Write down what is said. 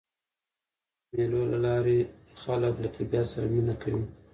د مېلو له لاري خلک له طبیعت سره مینه کوي.